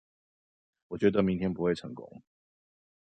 我覺得明天不會成功